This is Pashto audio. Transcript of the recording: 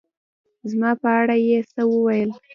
زما په اړه يې څه ووېل